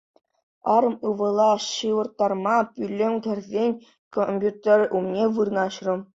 Арӑм ывӑла ҫывӑрттарма пӳлӗме кӗрсен компьютер умне вырнаҫрӑм.